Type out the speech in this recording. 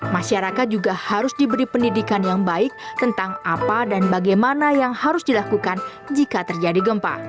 masyarakat juga harus diberi pendidikan yang baik tentang apa dan bagaimana yang harus dilakukan jika terjadi gempa